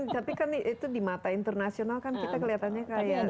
tapi kan itu di mata internasional kan kita kelihatannya kayak